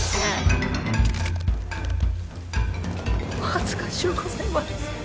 恥ずかしゅうございます。